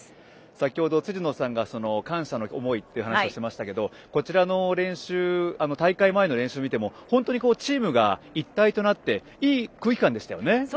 先ほど感謝の思いという話をしてましたけどこちらの大会前の練習を見てもチームが一体となっていい空気感でしたよね。